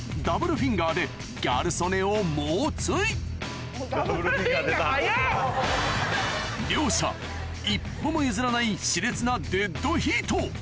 フィンガーでギャル曽根を猛追両者一歩も譲らない熾烈なデッドヒート！